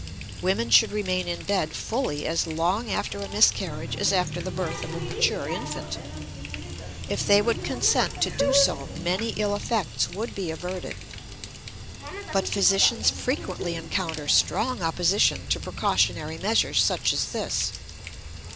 Women should remain in bed fully as long after a miscarriage as after the birth of a mature infant; if they would consent to do so, many ill effects would be averted. But physicians frequently encounter strong opposition to precautionary measures such as this.